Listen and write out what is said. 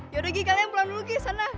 yaudah gi kalian pulang dulu gi sana